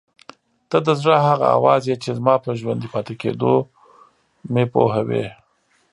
ته د زړه هغه اواز یې چې زما په ژوندي پاتې کېدو مې پوهوي.